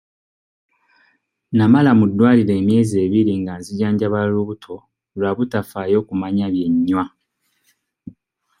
Namala mu ddwaliro emyezi ebiri nga nzijanjaba lubuto lwa butafaayo kumanya bye nnywa.